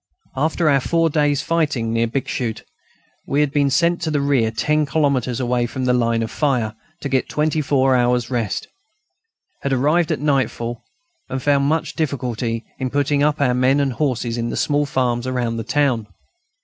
After our four days' fighting near Bixschoote we had been sent to the rear, ten kilometres away from the line of fire, to get twenty four hours' rest; had arrived at nightfall, and found much difficulty in putting up our men and horses in the small farms around the town.